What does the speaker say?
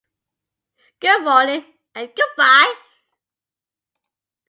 Good Morning and... Goodbye!